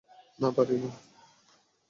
না, পারি না।